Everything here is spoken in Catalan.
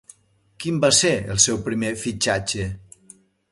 Quan va ser el seu primer fitxatge?